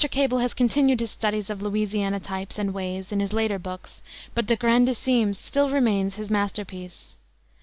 Cable has continued his studies of Louisiana types and ways in his later books, but the Grandissimes still remains his master piece.